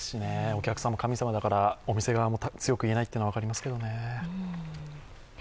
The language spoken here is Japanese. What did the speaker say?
お客さんも神様だからお店側も強く言えないのは分かりますけどね。